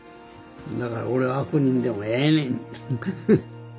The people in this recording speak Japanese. だから俺は悪人でもええねんって。